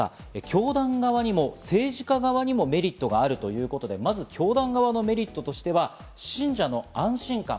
教団側にも政治家側にもメリットがあるということで、まず教団側のメリットとしては信者の安心感。